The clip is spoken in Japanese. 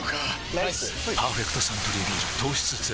ライス「パーフェクトサントリービール糖質ゼロ」